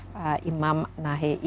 pak imam nahei